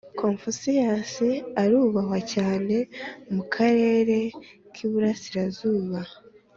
confucius arubahwa cyane mu karere k’iburasirazuba